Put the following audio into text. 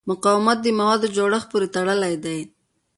مقاومت د موادو جوړښت پورې تړلی دی.